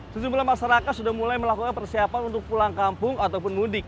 sejumlah masyarakat sudah mulai melakukan persiapan untuk pulang kampung ataupun mudik